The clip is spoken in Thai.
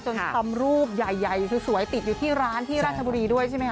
ทำรูปใหญ่สวยติดอยู่ที่ร้านที่ราชบุรีด้วยใช่ไหมค